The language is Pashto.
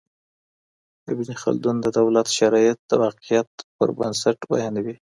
ابن خلدون د دولت شرایط د واقعیت پر بنسټ بیانوي.